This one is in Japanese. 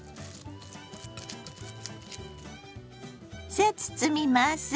さあ包みます！